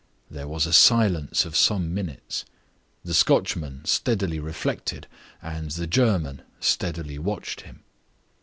There was a silence of some minutes. The Scotchman steadily reflected; and the German steadily watched him.